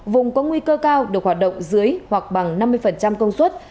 vùng có nguy cơ cao được hoạt động dưới hoặc bằng năm mươi công suất